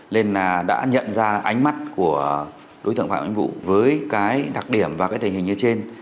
nên là đã nhận ra ánh mắt của đối tượng phạm anh vũ với cái đặc điểm và cái tình hình như trên